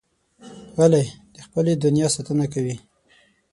غلی، د خپلې دنیا ساتنه کوي.